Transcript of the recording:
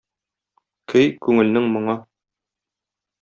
Көй — күңелнең моңы.